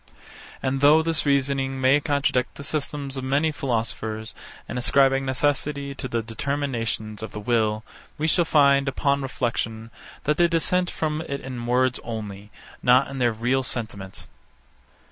And though this reasoning may contradict the systems of many philosophers, in ascribing necessity to the determinations of the will, we shall find, upon reflection, that they dissent from it in words only, not in their real sentiment.